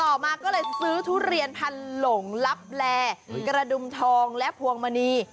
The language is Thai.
ต่อมาก็เลยซื้อทุเรียนพันหลงลับแลกระดุมทองและพวงมณี